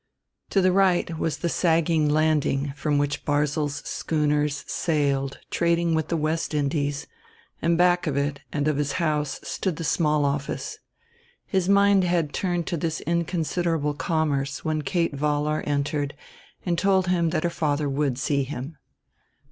To the right was the sagging landing from which Barzil's schooners sailed trading with the West Indies; and back of it, and of his house, stood the small office. His mind had turned to this inconsiderable commerce when Kate Vollar entered and told him that her father would see him.